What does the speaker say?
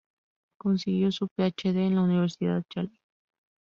Consiguió su PhD en la Universidad Yale.